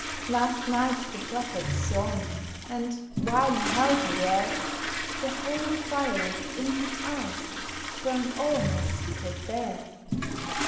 Last night the Prophet saw me; And, while he held me there, The holy fire within his eyes Burned all my secret bare.